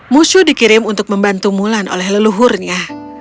musuh dikirim untuk membantu mulan oleh leluhurnya